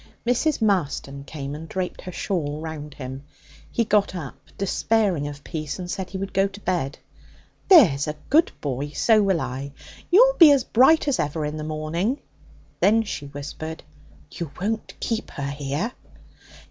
Mrs. Marston came and draped her shawl round him. He got up, despairing of peace, and said he would go to bed. 'There's a good boy! So will I. You'll be as bright as ever in the morning.' Then she whispered: 'You won't keep her here?'